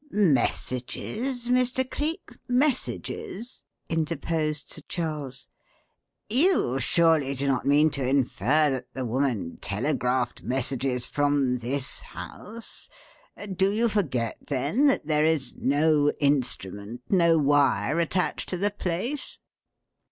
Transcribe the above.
"Messages, Mr. Cleek? Messages?" interposed Sir Charles. "You surely do not mean to infer that the woman telegraphed messages from this house? Do you forget, then, that there is no instrument, no wire, attached to the place?"